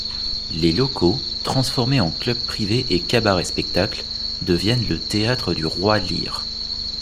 Les locaux, transformés en club privé et cabaret-spectacle, deviennent le Théâtre du Roy Lyre.